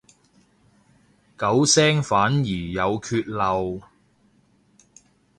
九聲反而有缺漏